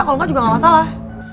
kalau enggak juga enggak masalah